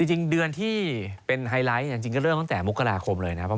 จริงเดือนที่เป็นไฮไลท์จริงก็เริ่มตั้งแต่มกราคมเลยนะครับ